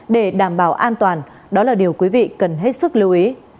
để đảm bảo an toàn đó là điều quý vị cần hết sức lưu ý